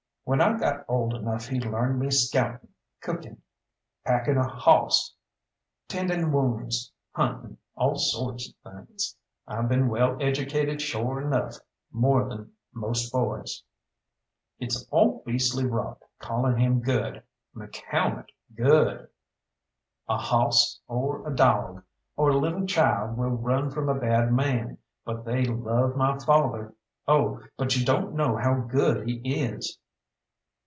When I got old enough he learned me scouting, cooking, packing a hawss, tending wounds, hunting all sorts of things. I been well educated shore enough, more than most boys." "It's all beastly rot calling him good McCalmont good!" "A hawss or a dawg, or a lil' child will run from a bad man, but they love my father. Oh, but you don't know how good he is!"